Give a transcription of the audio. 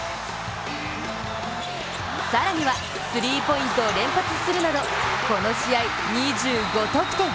更にはスリーポイントを連発するなどこの試合２５得点。